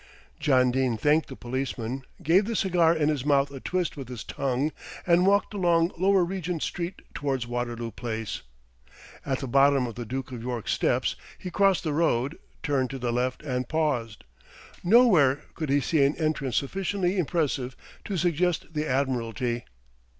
John Dene thanked the policeman, gave the cigar in his mouth a twist with his tongue, and walked along Lower Regent Street towards Waterloo Place. At the bottom of the Duke of York's steps, he crossed the road, turned to the left and paused. Nowhere could he see an entrance sufficiently impressive to suggest the Admiralty.